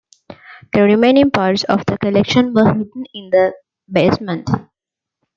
The remaining parts of the collection were hidden in the basement.